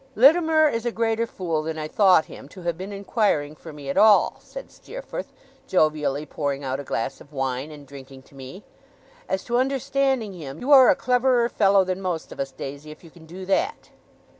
'Littimer is a greater fool than I thought him, to have been inquiring for me at all,' said Steerforth, jovially pouring out a glass of wine, and drinking to me. 'As to understanding him, you are a cleverer fellow than most of us, Daisy, if you can do that.